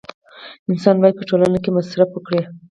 انسان باید په ټوله کې مصرف وکړي